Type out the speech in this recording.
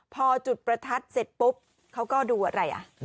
พอจุดประทัดเสร็จปุ๊บเขาก็ดูอะไรอ่ะ